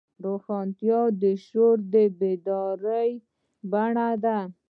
روښانتیا د شعور د بیدارۍ بڼه ده.